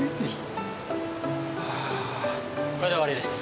これで終わりです。